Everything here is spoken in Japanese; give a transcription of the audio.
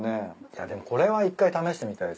いやでもこれは一回試してみたいっすよね。